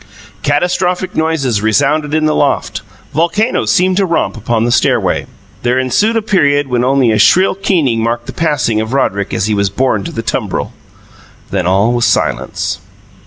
Catastrophic noises resounded in the loft; volcanoes seemed to romp upon the stairway. There ensued a period when only a shrill keening marked the passing of Roderick as he was borne to the tumbril. Then all was silence.